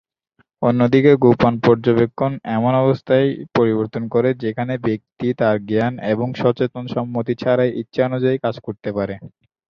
অন্যদিকে গোপনে পর্যবেক্ষণ, এমন অবস্থায় পরিবর্তন করে যেখানে ব্যক্তি তার জ্ঞান এবং সচেতন সম্মতি ছাড়াই ইচ্ছা অনুযায়ী কাজ করতে পারে।